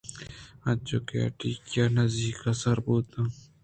انچو کہ آ ایٹیکا(ATTICA) ءِ نزّیک ءَ سر بُوت اَنت